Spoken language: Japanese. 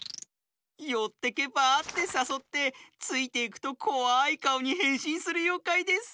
「よってけばあ？」ってさそってついていくとこわいかおにへんしんするようかいです。